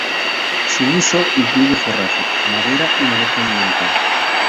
Su uso incluye forraje, madera y manejo ambiental.